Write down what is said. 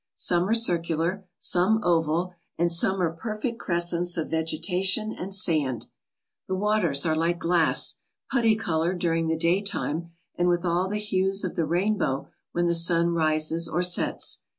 Some are circular, some oval, and some are perfect cres cents of vegetation and sand. The waters are like glass, putty coloured during the daytime and with all the hues of the rainbow when the sun rises or sets.